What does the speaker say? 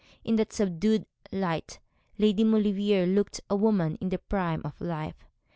In that subdued light Lady Maulevrier looked a woman in the prime of life.